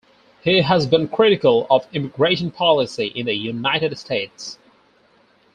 He has been critical of immigration policy in the United States.